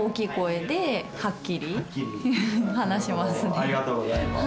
ありがとうございます。